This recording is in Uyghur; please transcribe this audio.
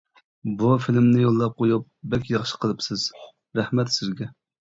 بۇ فىلىمنى يوللاپ قويۇپ بەك ياخشى قىلىپسىز، رەھمەت سىزگە.